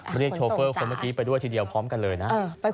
เรียกโชเฟอร์คนเมื่อกี้ไปด้วยทีเดียวพร้อมกันเลยนะ